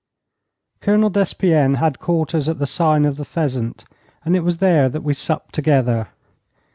Colonel Despienne had quarters at the 'Sign of the Pheasant,' and it was there that we supped together.